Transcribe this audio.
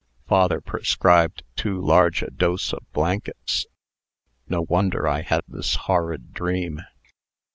"Father prescribed too large a dose of blankets. No wonder I had this horrid dream."